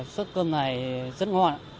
suất cơm này rất ngon